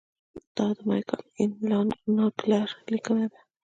دا د مایکل این ناګلر لیکنه ده.